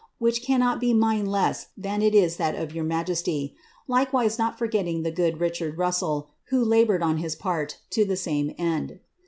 which cannot be mine less than it is that of your m^sty ; likewise noc forgetting the good Richard Russell,* who laboured on his part, to the suns end.